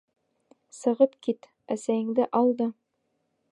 Сығып кит, әсәйеңде ал да!